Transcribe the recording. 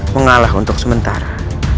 mengalah untuk sementara